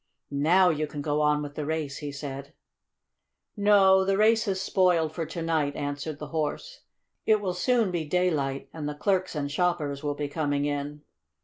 "Now you can go on with the race," he said. "No, the race is spoiled for to night," answered the Horse. "It will soon be daylight, and the clerks and shoppers will be coming in."